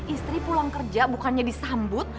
istri pulang kerja bukannya disambut